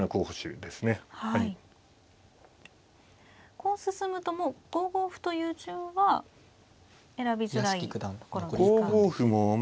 こう進むともう５五歩という順は選びづらいところですか。